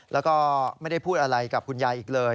แล้วก็ไม่ได้พูดอะไรกับคุณยายอีกเลย